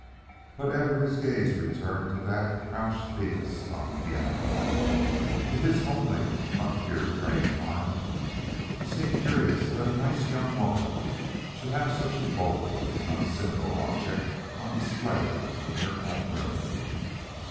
But ever his gaze returned to that Crouched Venus on the piano. To his homely, frontier trained mind, it seemed curious that a nice young woman should have such a bold, if not sinful, object on display in her own room.